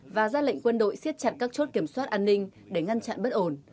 và ra lệnh quân đội xiết chặt các chốt kiểm soát an ninh để ngăn chặn bất ổn